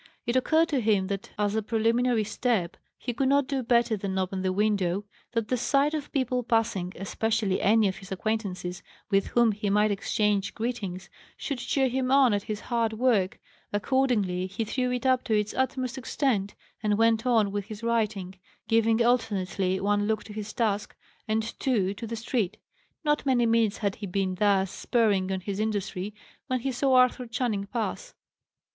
It occurred to him that, as a preliminary step, he could not do better than open the window, that the sight of people passing (especially any of his acquaintances, with whom he might exchange greetings) should cheer him on at his hard work. Accordingly, he threw it up to its utmost extent, and went on with his writing, giving alternately one look to his task, and two to the street. Not many minutes had he been thus spurring on his industry, when he saw Arthur Channing pass.